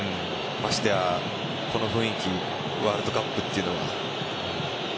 ましてやこの雰囲気ワールドカップというのは。